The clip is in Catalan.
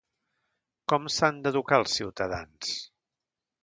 Com s'han d'educar els ciutadans?